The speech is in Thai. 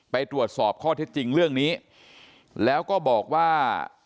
ไปตรวจสอบข้อเท็จจริงเรื่องนี้แล้วก็บอกว่า